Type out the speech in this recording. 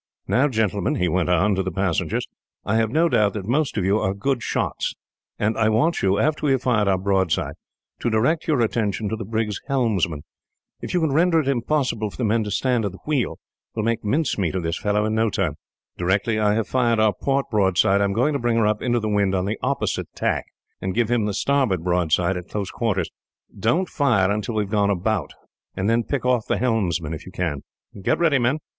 "Now, gentlemen," he went on, to the passengers, "I have no doubt that most of you are good shots, and I want you, after we have fired our broadside, to direct your attention to the brig's helmsmen. If you can render it impossible for the men to stand at the wheel, we will make mincemeat of this fellow in no time. Directly I have fired our port broadside, I am going to bring her up into the wind on the opposite tack, and give him the starboard broadside at close quarters. Don't fire until we have gone about, and then pick off the helmsmen, if you can. "Get ready, men."